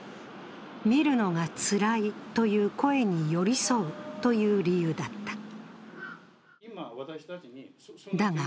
見るのがつらいという声に寄り添うという理由だった。